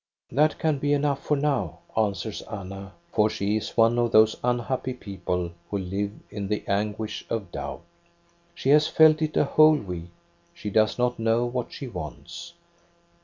"That can be enough for now," answers Anna, for she is one of those unhappy people who live in the anguish of doubt. She has felt it a whole week. She does not know what she wants.